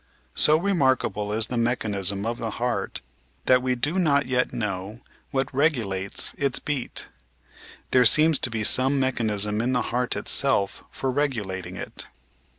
So remarkable is the mechanism of the heart, that we do 8S4 The Outline of Science not yet know what regulates its "beat." There seems to be some mechanism in the heart itself for regulating it.